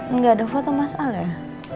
nggak ada foto mas al ya